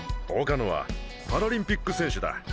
岡野はパラリンピック選手だ。